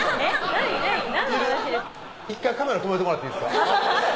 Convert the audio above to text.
１回カメラ止めてもらっていいですか？